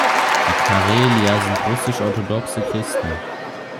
Die Karelier sind russisch-orthodoxe Christen.